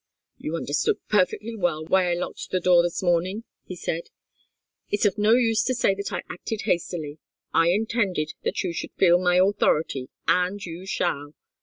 "You understood perfectly well why I locked the door this morning," he said. "It's of no use to say that I acted hastily. I intended that you should feel my authority, and you shall.